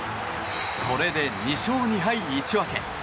これで２勝２敗１分け。